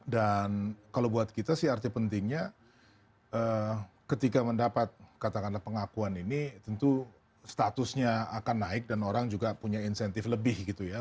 dan kalau buat kita sih arti pentingnya ketika mendapat katakanlah pengakuan ini tentu statusnya akan naik dan orang juga punya insentif lebih gitu ya